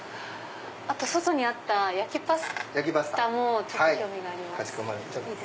外にあった焼きパスタもちょっと興味があります。